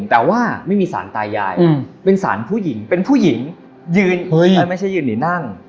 แต่ว่าไม่มีสารตายายเป็นสารผู้หญิงเป็นผู้หญิงยืนไม่ใช่ยืนหรือนั่ง